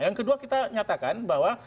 yang kedua kita nyatakan bahwa